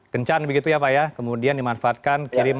kencan begitu ya pak ya kemudian dimanfaatkan kirim